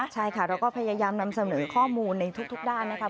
ใช่ค่ะเราก็พยายามนำเสนอข้อมูลในทุกด้านนะครับ